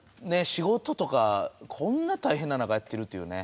仕事とかこんな大変な中やってるというね。